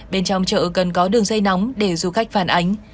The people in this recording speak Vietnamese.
bên trong chợ cần có đường dây nóng để du khách phản ánh